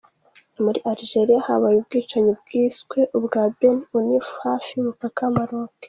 Muri Algeria habaye ubwicanyi bwiswe ubwa Beni Ounif hafi y’umupaka wa Maroc.